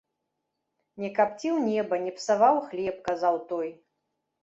Не капціў неба, не псаваў хлеб, казаў той.